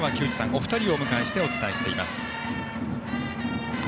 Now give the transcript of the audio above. お二人をお迎えしてお伝えしております。